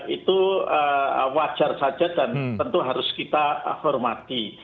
itu wajar saja dan tentu harus kita hormati